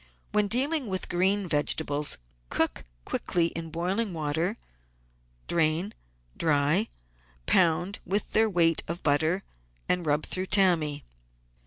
When dealing with green vegetables cook quickly in boiling, salted water, drain, dry, pound with their weight of butter, and rub through tammy.